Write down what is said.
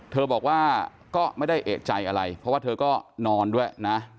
เธอบอกว่าก็ไม่ได้เอกใจอะไรเพราะว่าเธอก็นอนด้วยนะ